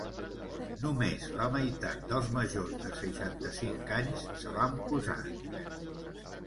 Només la meitat dels majors de seixanta-cinc anys se l’han posat.